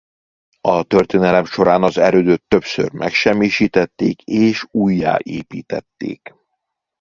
A történelem során az erődöt többször megsemmisítették és újjáépítették.